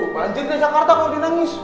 banjir di jakarta kok di nangis